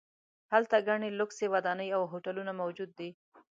هلته ګڼې لوکسې ودانۍ او هوټلونه موجود دي.